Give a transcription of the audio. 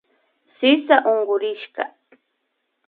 Sisa unkurishkakan